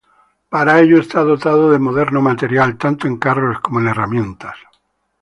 Para ello está dotado de moderno material tanto en carros como en herramientas.